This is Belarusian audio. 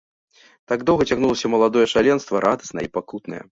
Так доўга цягнулася маладое шаленства, радаснае і пакутнае.